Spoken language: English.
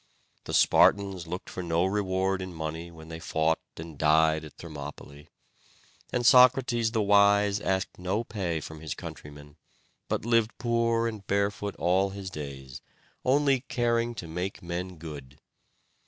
The Spartans looked for no reward in money when they fought and died at Thermopylæ; and Socrates the wise asked no pay from his countrymen, but lived poor and barefoot all his days, only caring to make men good.